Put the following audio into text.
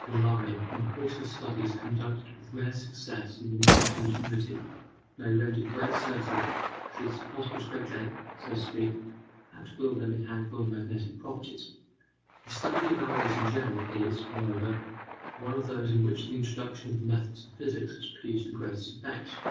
Guillaume in the course of studies conducted with rare success and remarkable ingenuity, may render great services, because it is possible to regulate, so to speak, at will their mechanical or magnetic properties. [Footnote 13: The metal known as "invar." ED.] The study of alloys in general is, moreover, one of those in which the introduction of the methods of physics has produced the greatest effects.